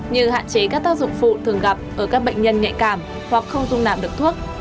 như hạn chế các tác dụng phụ thường gặp ở các bệnh nhân nhạy cảm hoặc không dung nạp được thuốc